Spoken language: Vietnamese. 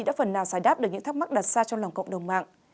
là giải đáp được những thắc mắc đặt ra trong lòng cộng đồng mạng